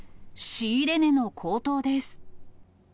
仕入れ値の高騰です。